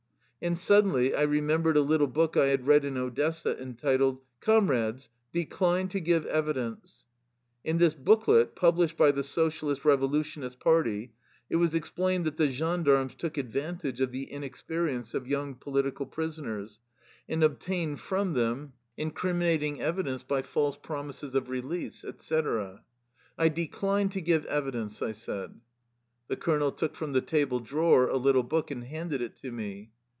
And suddenly I remembered a little book I had read in Odessa, entitled: " Comrades, decline to give evidence !" In this booklet, published by the Socialist Revolution ists' Party, it was explained that the gendarmes took advantage of the inexperience of young po litical prisoners and obtained from them in 63 THE LIFE STOKY OF A RUSSIAN EXILE criminating evidence by false promises of release, etc. " I decline to give evidence/' I said. The colonel took from the table drawer a little book and handed it to me.